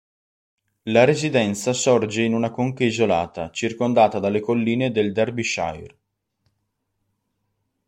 La residenza sorge in una conca isolata, circondata dalle colline del Derbyshire.